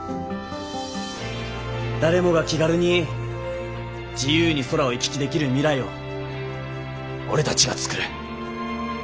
誰もが気軽に自由に空を行き来できる未来を俺たちが作る。